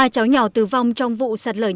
ba cháu nhỏ tử vong trong vụ sạt lở nghiêm trọng